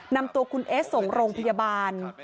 นำตัวคุณเอสส่งโรงพยาบาล